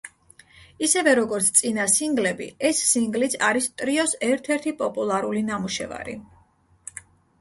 ისევე, როგორც წინა სინგლები, ეს სინგლიც არის ტრიოს ერთ-ერთი პოპულარული ნამუშევარი.